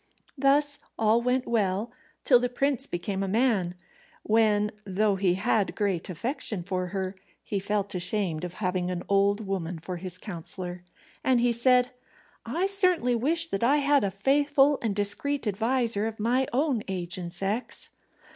Thus all went well till the prince became a man, when, though he had great affection for her, he felt ashamed of having an old woman for his counsellor, and he said, "I certainly wish that I had a faithful and discreet adviser of my own age and sex."